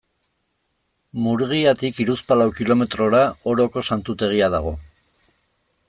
Murgiatik hiruzpalau kilometrora Oroko Santutegia dago.